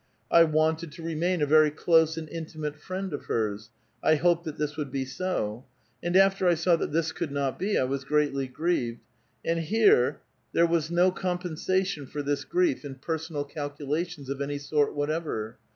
I wanted to remain a very close and intimate friend of hers ; I hoped that this would be so. And after I saw that this could not be, I was greatly grieved ; and here there was no compen sation for this grief in personal calculations of any sort what ever.